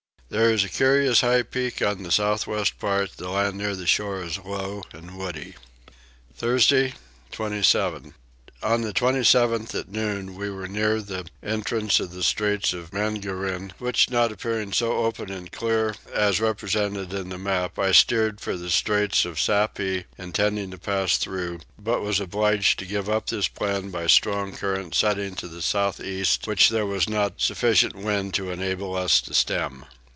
There is a curious high peak on the south west part: the land near the shore is low and woody. Thursday 27. On the 27th at noon we were near the entrance of the Straits of Mangaryn, which not appearing so open and clear as represented in the map, I steered for the straits of Sapi, intending to pass through; but was obliged to give up this plan by strong currents setting to the south east which there was not sufficient wind to enable us to stem.